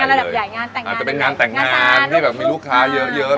ระดับใหญ่งานแต่งงานอาจจะเป็นงานแต่งงานที่แบบมีลูกค้าเยอะ